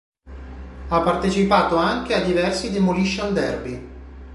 Ha partecipato anche a diversi Demolition derby.